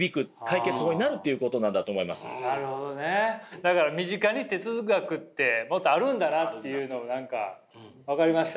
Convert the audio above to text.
だから身近に哲学ってもっとあるんだなっていうのが分かりましたね。